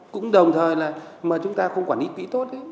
cũng đồng thời là mà chúng ta không quản lý kỹ tốt